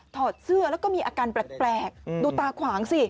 อดเสื้อแล้วก็มีอาการแปลกดูตาขวางสิ